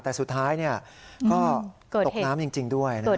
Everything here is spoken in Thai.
แต่สุดท้ายก็ตกน้ำจริงด้วยนะครับ